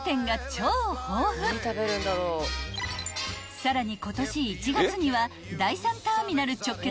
［さらに］